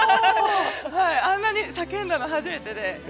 あんなに叫んだの、初めてで。